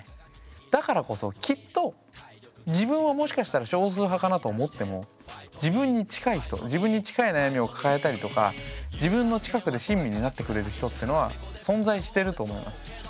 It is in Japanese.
だからこそきっと自分はもしかしたら少数派かなと思っても自分に近い人自分に近い悩みを抱えたりとか自分の近くで親身になってくれる人ってのは存在してると思います。